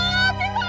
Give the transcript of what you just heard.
aduh apa itu